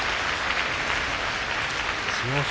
千代翔